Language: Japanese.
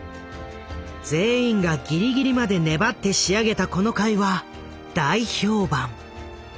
全員がギリギリまで粘って仕上げたこの回は大評判。